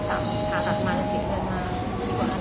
แล้วก็หาใจเองไม่ได้